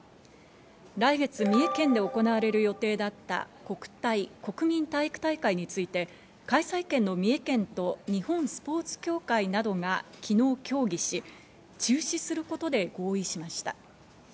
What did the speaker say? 来月、三重県で行われる予定だった国体＝国民体育大会について、開催県の三重県と日本スポーツ協会などが昨日協議し、中止することで合意しました。